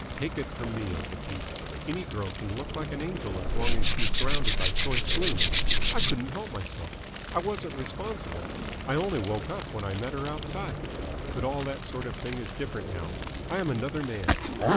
Take it from me, uncle Pete, any girl can look an angel as long as she is surrounded by choice blooms. I couldn't help myself. I wasn't responsible. I only woke up when I met her outside. But all that sort of thing is different now. I am another man.